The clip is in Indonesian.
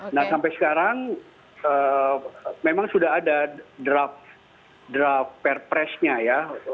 nah sampai sekarang memang sudah ada draft perpresnya ya